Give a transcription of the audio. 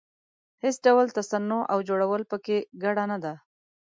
هېڅ ډول تصنع او جوړول په کې ګډه نه ده.